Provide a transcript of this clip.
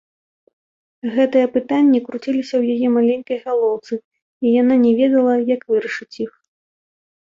Гэтыя пытанні круціліся ў яе маленькай галоўцы, і яна не ведала, як вырашыць іх.